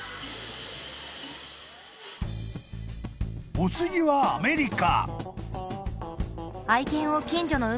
［お次はアメリカ］